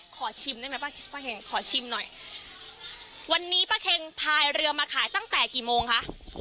ขอชิมได้ไหมป้าเฮงขอชิมหน่อยวันนี้ป้าเฮงพายเรือมาขายตั้งแต่กี่โมงคะ